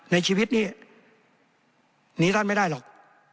ในชีวิตนี้หนีท่านไม่ได้หรอก